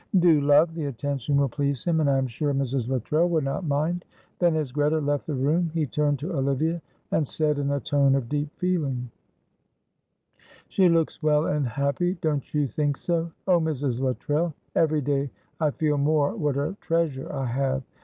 "Do, love; the attention will please him, and I am sure Mrs. Luttrell will not mind." Then as Greta left the room, he turned to Olivia and said in a tone of deep feeling, "She looks well and happy, don't you think so? Oh, Mrs. Luttrell, every day I feel more what a treasure I have.